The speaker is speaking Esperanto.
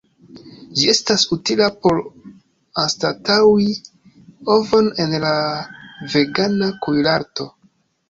Ĝi estas utila por anstataŭi ovon en la vegana kuirarto.